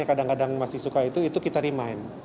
yang kadang kadang masih suka itu itu kita remind